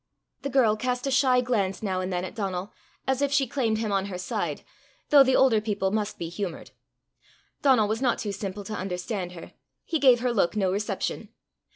The girl cast a shy glance now and then at Donal, as if she claimed him on her side, though the older people must be humoured. Donal was not too simple to understand her: he gave her look no reception.